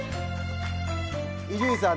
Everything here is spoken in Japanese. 伊集院さん